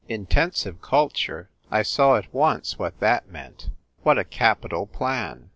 Intensive culture ! I saw at once what that meant. What a capital plan